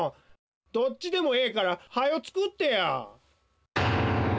どっちでもええからはよつくってや！